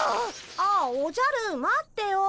ああおじゃる待ってよ。